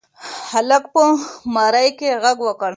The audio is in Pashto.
هلک په مرۍ کې غږ وکړ.